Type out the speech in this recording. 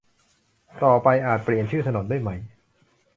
ต่อไปอาจเปลี่ยนชื่อถนนด้วยไหม